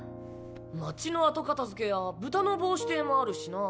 街の後片づけや「豚の帽子」亭もあるしな。